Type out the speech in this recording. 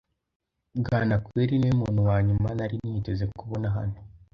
Bwanakweli niwe muntu wa nyuma nari niteze kubona hano.